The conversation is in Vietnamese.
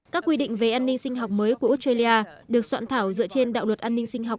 các quy định về an ninh sinh học mới của australia được soạn thảo dựa trên đạo luật an ninh sinh học